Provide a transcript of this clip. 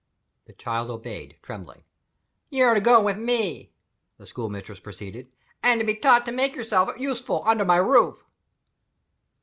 The child obeyed, trembling. "You are to go away with me," the school mistress proceeded, "and to be taught to make yourself useful under my roof."